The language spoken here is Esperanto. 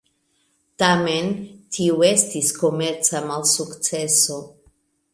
Tamen, tio estis komerca malsukceso.